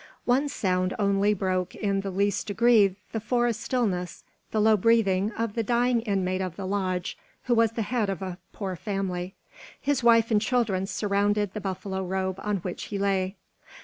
One sound only broke in the least degree the forest stillness the low breathing of the dying inmate of the lodge, who was the head of a poor family. His wife and children surrounded the buffalo robe on which he lay.